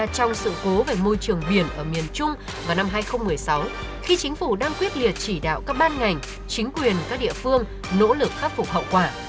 trong sự cố về môi trường biển ở miền trung vào năm hai nghìn một mươi sáu khi chính phủ đang quyết liệt chỉ đạo các ban ngành chính quyền các địa phương nỗ lực khắc phục hậu quả